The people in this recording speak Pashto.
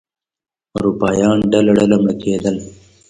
اروپایان ډله ډله مړه کېدل.